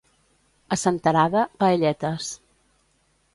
A Senterada, paelletes.